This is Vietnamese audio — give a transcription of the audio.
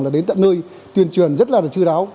là đến tận nơi tuyên truyền rất là chú đáo